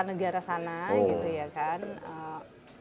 negara sana gitu ya kan